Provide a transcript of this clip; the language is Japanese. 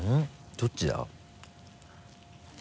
どっちだ？